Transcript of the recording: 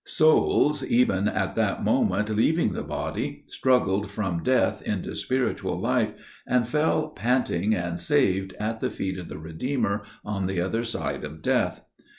Souls even at that moment leaving the body struggled from death into spiritual life, and fell panting and saved at the feet of the Redeemer on the other side of death.